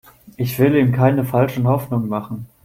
Ich will ihm keine falschen Hoffnungen machen.